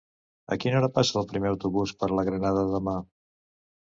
A quina hora passa el primer autobús per la Granada demà?